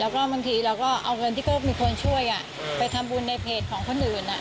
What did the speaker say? แล้วก็บางทีเราก็เอาเงินที่เขามีคนช่วยไปทำบุญในเพจของคนอื่น